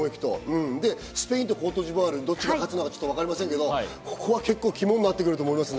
スペインとコートジボワール、どっちが勝つか分かりませんけど、ここは結構、肝になってくると思います。